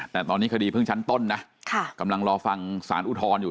แต่ตอนนี้คดีเพิ่งชั้นต้นนะกำลังรอฟังสารอุทธรณ์อยู่